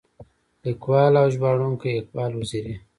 ليکوال او ژباړونکی اقبال وزيري.